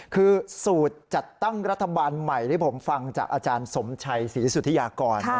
คือสูตรจัดตั้งรัฐบาลใหม่ที่ผมฟังจากอาจารย์สมชัยศรีสุธิยากร